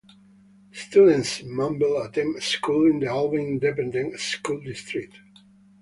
Students in Manvel attend schools in the Alvin Independent School District.